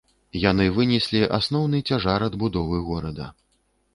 Яны вынеслі асноўны цяжар адбудовы горада.